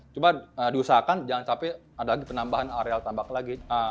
cuma diusahakan jangan capek ada lagi penambahan area tambak lagi